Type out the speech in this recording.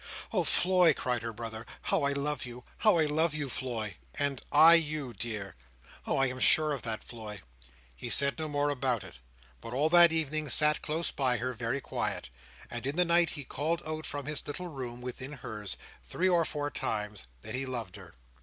"Oh, Floy!" cried her brother, "how I love you! How I love you, Floy!" "And I you, dear!" "Oh! I am sure of that, Floy." He said no more about it, but all that evening sat close by her, very quiet; and in the night he called out from his little room within hers, three or four times, that he loved her.